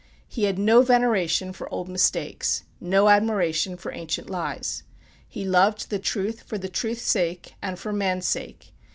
He had no veneration for old mistakes no admiration for ancient lies. He loved the truth for the truth's sake, and for man's sake.